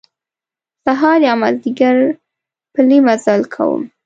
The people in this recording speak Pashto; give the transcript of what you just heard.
سهار یا مازیګر پلی مزل کوم.